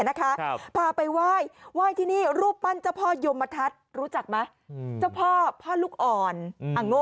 พาไปไหว้แรงประทัดที่นี่รูปปั้นเจ้าพ่อยมทัศน์รู้จักไหมเจ้าพ่อพ่อลูกอ่อน